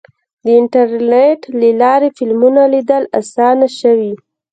د انټرنیټ له لارې فلمونه لیدل اسانه شوي.